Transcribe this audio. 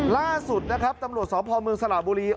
ล่าสุดนะครับตำรวจสพเมืองสระบุรี